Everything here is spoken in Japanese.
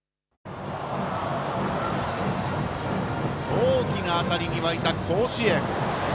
大きな当たりに沸いた甲子園。